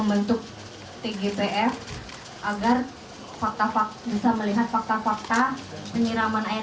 untuk menuntaskan kasus novel